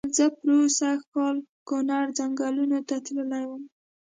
زه پرو سږ کال کونړ ځنګلونو ته تللی وم.